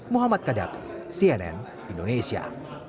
muhammad kadapi cnn indonesia